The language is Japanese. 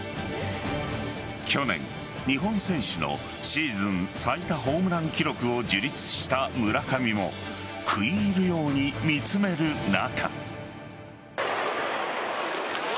去年、日本選手のシーズン最多ホームラン記録を樹立した村上も食い入るように見つめる中。